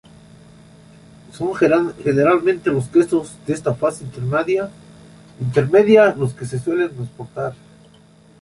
Son generalmente los quesos de esta fase intermedia los que se suelen exportar.